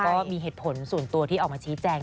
ก็มีเหตุผลส่วนตัวที่ออกมาชี้แจง